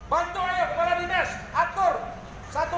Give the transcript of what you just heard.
bantu ayo kepala dinesh atur